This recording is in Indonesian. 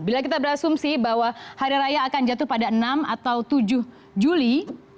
bila kita berasumsi bahwa hari raya akan jatuh pada enam atau tujuh juli